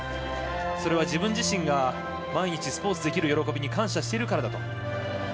それは自分自身が毎日スポーツできる喜びに感謝しているからだと。